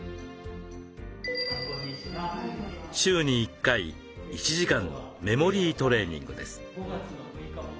週に１回１時間のメモリートレーニングです。